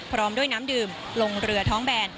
พร้อมด้วยน้ำดื่มลงเรือท้องแบน